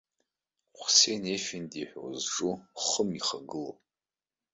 Хәсеин-ефенди ҳәа узҿу хым ихагылоу.